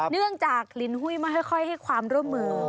เนื่องจากลินหุ้ยไม่ค่อยให้ความร่วมมือ